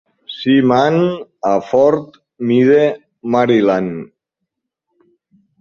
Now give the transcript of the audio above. Seaman a Fort Meade (Maryland).